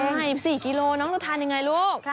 ใช่๔กิโลกรัมน้องต้องทานยังไงลูก